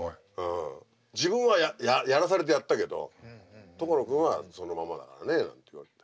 「自分はやらされてやったけど所君はそのままだからね」なんて言われて。